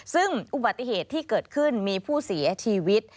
ซึ่งอุบัติเหตุที่เกิดขึ้นมีผู้เสียชีวิต